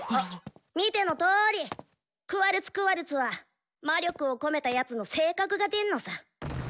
見てのとおり「クワルツ・クワルツ」は魔力を込めたやつの性格が出んのさ。